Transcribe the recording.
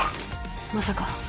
まさか。